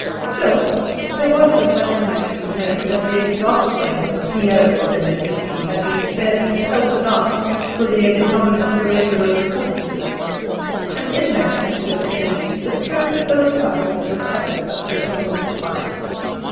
Still, there was the satisfaction of knowing that the exasperating Piero de' Medici had been fairly pelted out for the ignominious surrender of the fortresses, and in that act of energy the spirit of the Republic had recovered some of its old fire.